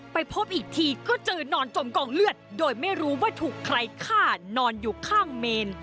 ไปพบอีกทีก็เจอนอนจมกองเลือดโดยไม่รู้ว่าถูกใครฆ่านอนอยู่ข้างเมน